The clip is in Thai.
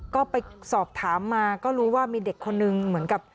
ก็ไปสอบถามมาก็รู้ว่ามีเด็กคนนึงเหมือนกับ